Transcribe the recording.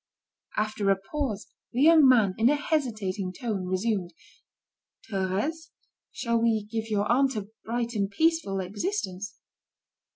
After a pause, the young man, in a hesitating tone, resumed: "Thérèse, shall we give your aunt a bright and peaceful existence?"